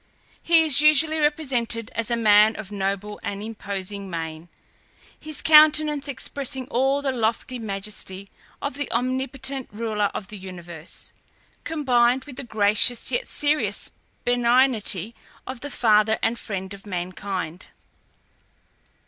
He is usually represented as a man of noble and imposing mien, his countenance expressing all the lofty majesty of the omnipotent ruler of the universe, combined with the gracious, yet serious, benignity of the father and friend of mankind.